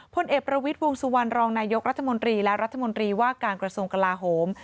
พลเอกประวิทย์วงสุวรรณรองนายกรัฐมนตรีและรัฐมนตรีว่าการกระทรวงกลาโหม